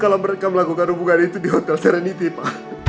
kalau mereka melakukan hubungan itu di hotel serenity ma